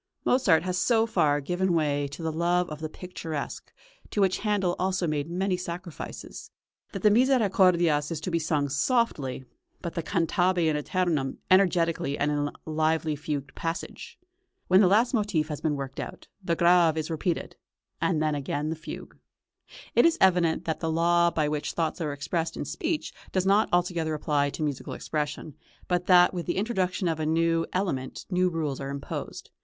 Mozart has so far given way to the love of the picturesque, to which Handel also made many sacrifices, that the "Misericordias" is to be sung softly, but the "cantabe in æternum" energetically and in a lively fugued passage. When the last motif has been worked out, the Grave is repeated, and then again the fugue. It is evident that the law by which thoughts are expressed in speech does not altogether apply to musical expression, but that with the introduction of a new element new rules are {CHURCH MUSIC.} (280) imposed.